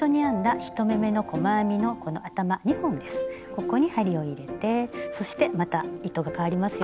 ここに針を入れてそしてまた糸がかわりますよ。